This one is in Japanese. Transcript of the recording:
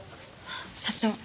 社長！